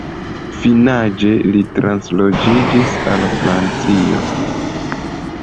Junaĝe li transloĝiĝis al Francio.